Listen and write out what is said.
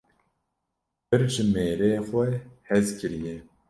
Pir ji mêrê xwe hez kiriye.